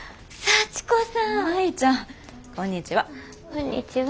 こんにちは。